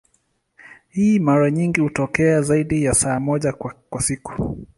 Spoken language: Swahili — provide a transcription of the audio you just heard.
Hii mara nyingi hutokea zaidi ya saa moja kwa siku.